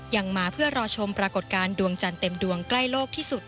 ยังมาเพื่อรอชมปรากฏการณ์ดวงจันทร์เต็มดวงใกล้โลกที่สุด